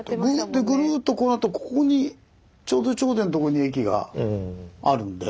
でぐるっとこうなったここにちょうど頂点のとこに駅があるんで。